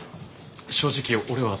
正直俺は。